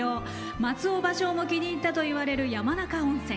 松尾芭蕉も気に入ったといわれる山中温泉。